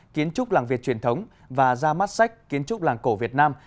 kiến trúc làng việt truyền thống và ra mắt sách kiến trúc làng cổ việt nam